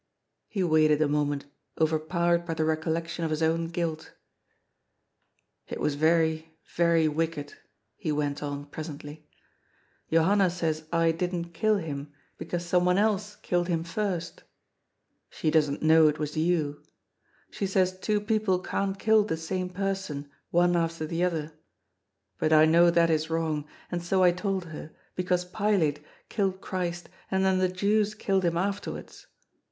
He waited a moment, overpowered by the recollection of his own guilt " It was very, very wicked," he went on presently. " Jo hanna says I didn't kill him, because some one else killed him first She doesn't know it was you. She says two people can't kill the same person, one after the other. But I know that is wrong, and so I told her, because Pilate killed Christ, and then the Jews killed hipi afterwards.